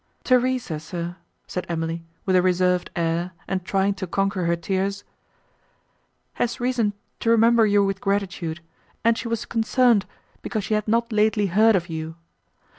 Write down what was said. "Theresa, sir," said Emily, with a reserved air, and trying to conquer her tears, "has reason to remember you with gratitude, and she was concerned, because she had not lately heard of you.